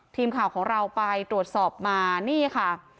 ทีมข่าวของเราไปตรวจสอบมานี่ค่ะ